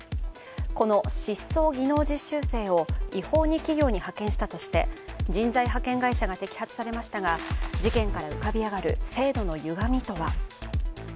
この失踪技能実習生を違法に企業に派遣したとして人材派遣会社が摘発されましたが事件から浮かび上がる、制度のゆがみとは。